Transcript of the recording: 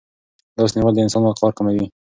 لاس نیول د انسان وقار کموي.